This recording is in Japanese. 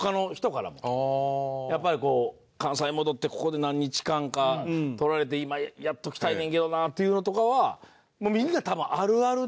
やっぱりこう関西戻ってここで何日間か取られて今やっときたいねんけどなっていうのとかはみんな多分あるあるで。